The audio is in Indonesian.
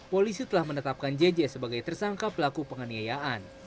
polisi telah menetapkan jj sebagai tersangka pelaku penganiayaan